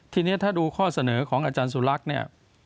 ทีนี้ถ้าดูข้อเสนอของอาจารย์สุรักษ์เนี่ย